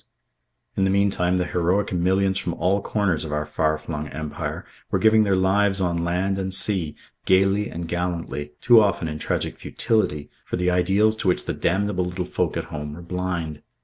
And in the meantime, the heroic millions from all corners of our far flung Empire were giving their lives on land and sea, gaily and gallantly, too often in tragic futility, for the ideals to which the damnable little folk at home were blind.